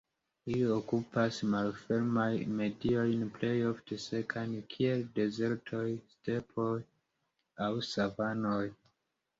Ili okupas malfermajn mediojn plej ofte sekajn, kiel dezertoj, stepoj aŭ savanoj.